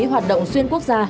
hoạt động xuyên quốc gia